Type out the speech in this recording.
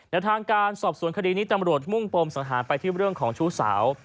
แล้วทางการสอบสวนคดีนี้ตำรวจมุ่งปมสังหารไปที่เรื่องของชู้สาว